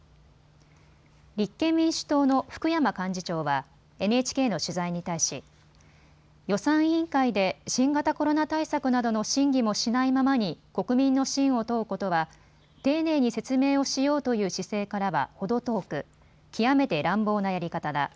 立憲民主党の福山幹事長はＮＨＫの取材に対し、予算委員会で新型コロナ対策などの審議もしないままに国民の真を問うことは丁寧に説明をしようという姿勢からはほど遠く極めて乱暴なやり方だ。